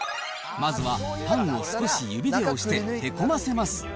まずは、パンを少し指で押して、へこませます。